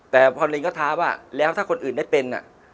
แต่พอลิงก็ท้าว่าแล้วถ้าคนอื่นได้เป็น